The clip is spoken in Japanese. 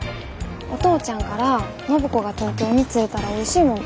お父ちゃんから暢子が東京に着いたらおいしいもの